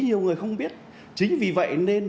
nhiều người không biết chính vì vậy nên